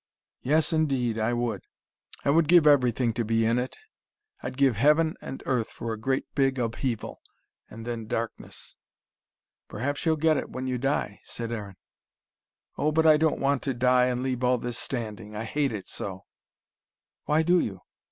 "Yes, indeed I would. I would give everything to be in it. I'd give heaven and earth for a great big upheaval and then darkness." "Perhaps you'll get it, when you die," said Aaron. "Oh, but I don't want to die and leave all this standing. I hate it so." "Why do you?"